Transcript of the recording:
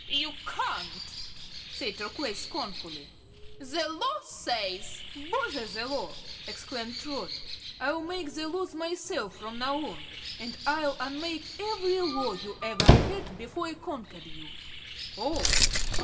"You can't," said Turquoise, scornfully; "the Law says " "Bother the Law!" exclaimed Trot. "I'll make the Laws myself, from now on, and I'll unmake every Law you ever had before I conquered you." "Oh.